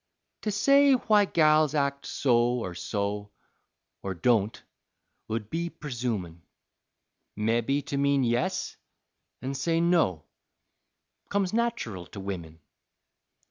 To say why gals act so or so, Or don't 'ould be presumin'; Mebby to mean yes an' say no Comes nateral to women.